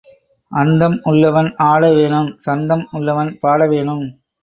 அந்தம் உள்ளவன் ஆட வேணும் சந்தம் உள்ளவன் பாட வேணும்.